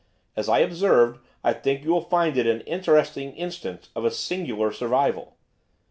As I observed, I think you will find it an interesting instance of a singular survival.